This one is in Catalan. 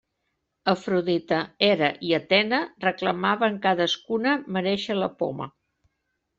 Afrodita, Hera i Atena reclamaven cadascuna merèixer la poma.